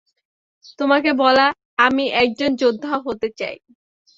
তোমাকে বলা আমি একজন যোদ্ধা হতে চাই।